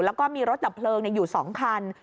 แล้วก็มีรถดับเพลิงอยู่๒คัน